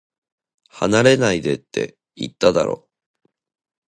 離れないでって、言っただろ